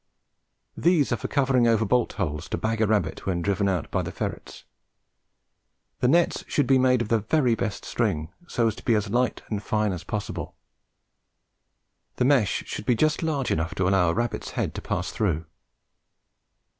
These are for covering over bolt holes to bag a rabbit when driven out by the ferrets. The nets should be made of the very best string, so as to be as light and fine as possible. The mesh should be just large enough to allow a rabbit's head to pass through.